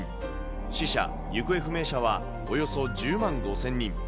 死者・行方不明者はおよそ１０万５０００人。